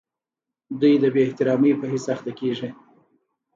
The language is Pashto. دوی د بې احترامۍ په حس اخته کیږي.